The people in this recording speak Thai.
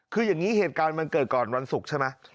คืออย่างนี้เหตุการณ์มันเกิดก่อนวันศุกร์ใช่ไหม